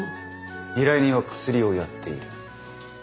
依頼人はクスリをやっている。